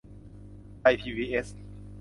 ไทยพีบีเอส